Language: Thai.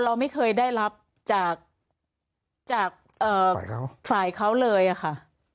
เราไม่เคยได้รับจากฝ่ายเขาเลยอะค่ะ